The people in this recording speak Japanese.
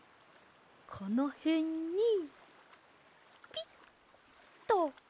このへんにピッと。